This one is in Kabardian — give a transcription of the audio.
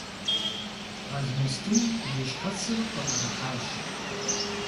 Алмэстым и щхьэцыр къыӀэрыхьащ.